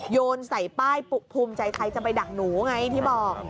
โยนใส่ป้ายภูมิใจไทยจะไปดักหนูไงที่บอก